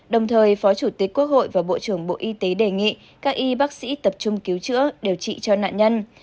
đồng thời phó chủ tịch quốc hội và bộ trưởng bộ y tế đề nghị các y bác sĩ tập trung cứu chữa điều trị cho nạn nhân